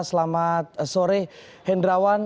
selamat sore hendrawan